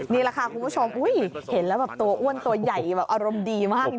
นี่แหละค่ะคุณผู้ชมเห็นแล้วแบบตัวอ้วนตัวใหญ่แบบอารมณ์ดีมาก